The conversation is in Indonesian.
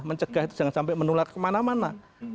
mencegah itu jangan sampai menular kemana mana